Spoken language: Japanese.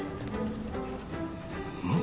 うん。